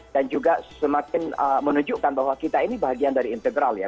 dan juga semakin menunjukkan bahwa kita ini bagian dari integral ya